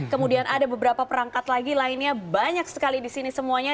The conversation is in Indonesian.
kemudian ada beberapa perangkat lagi lainnya banyak sekali di sini semuanya